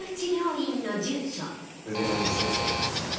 腕のいい先生がいます。